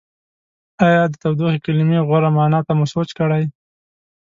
ایا د تودوخې کلمې غوره معنا ته مو سوچ کړی؟